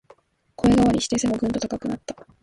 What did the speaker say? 声変わりして背もぐんと高くなった